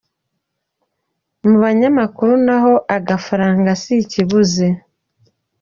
Mu banyamakuru naho agafaranga si ikibuze.